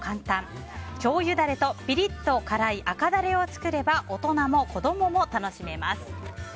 しょうゆダレとピリッと辛い赤ダレを作れば大人も子供も楽しめます。